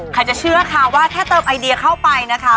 จะเชื่อค่ะว่าถ้าเติมไอเดียเข้าไปนะคะ